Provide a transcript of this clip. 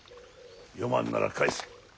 読まぬなら返せ。